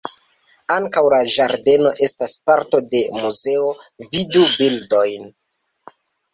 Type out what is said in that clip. Ankaŭ la ĝardeno estas parto de muzeo, vidu bildojn.